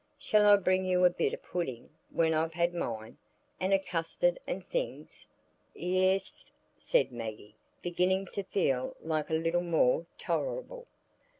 Shall I bring you a bit o' pudding when I've had mine, and a custard and things?" "Ye e es," said Maggie, beginning to feel life a little more tolerable.